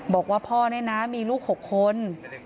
บอกว่าพ่อเนี่ยนะมีลูก๖คน